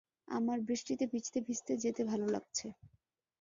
আমার বৃষ্টিতে ভিজতে-ভিজতে যেতে ভালো লাগছে।